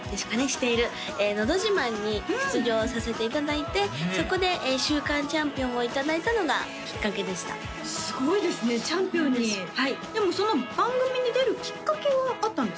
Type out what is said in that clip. している「のど自慢」に出場させていただいてそこで週間チャンピオンをいただいたのがきっかけでしたすごいですねチャンピオンにはいでもその番組に出るきっかけはあったんですか？